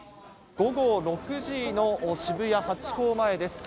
午後６時の渋谷ハチ公前です。